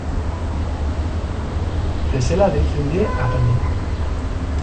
Tesela deitzen die atalei.